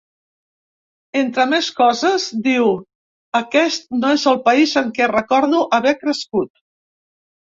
Entre més coses, diu: Aquest no és el país en què recordo haver crescut.